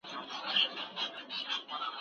تاسي خپله مځکه اباده کړه.